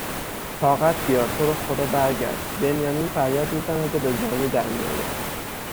طاقت بیار تورو خدا برگرد بنیامین فریاد میزند و به زانو درمیآید